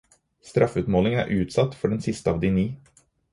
Straffeutmålingen er utsatt for den siste av de ni.